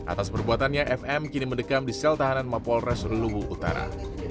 atas perbuatannya fm kini mendekam di sel tahanan mapolres luwu utara